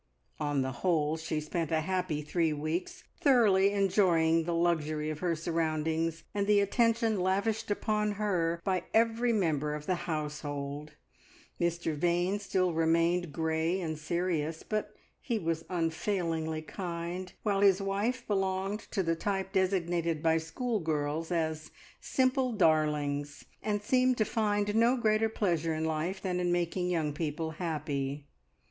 On the whole she spent a happy three weeks, thoroughly enjoying the luxury of her surroundings and the attention lavished upon her by every member of the household. Mr Vane still remained grey and serious, but he was unfailingly kind; while his wife belonged to the type designated by schoolgirls as "simple darlings," and seemed to find no greater pleasure in life than in making young people happy.